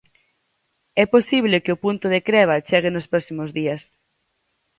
É posible que o punto de creba chegue nos próximos días.